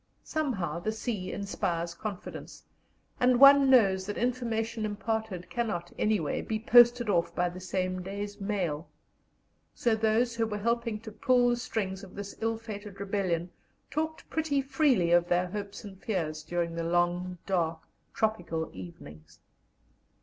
Somehow the sea inspires confidence, and one knows that information imparted cannot, anyway, be posted off by the same day's mail. So those who were helping to pull the strings of this ill fated rebellion talked pretty freely of their hopes and fears during the long, dark tropical evenings.